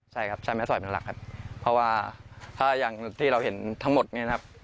ใช่ครับใช้แม่สอยเป็นหลักครับเพราะว่าถ้าอย่างที่เราเห็นทั้งหมดเนี่ยนะครับ